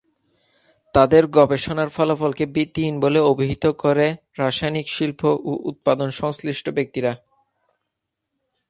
তাদের গবেষণার ফলাফলকে ভিত্তিহীন বলে অভিহিত করে রাসায়নিক শিল্প ও উৎপাদন সংশ্লিষ্ট ব্যক্তিরা।